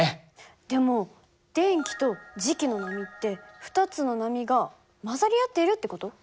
でも電気と磁気の波って２つの波が混ざり合っているって事？